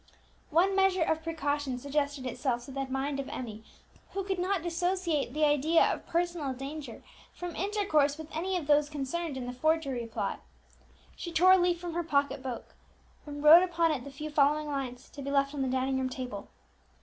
One measure of precaution suggested itself to the mind of Emmie, who could not dissociate the idea of personal danger from intercourse with any of those concerned in the forgery plot. She tore a leaf from her pocket book, and wrote upon it the few following lines, to be left on the dining room table.